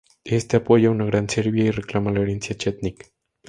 Éste apoya una Gran Serbia y reclama la herencia chetnik.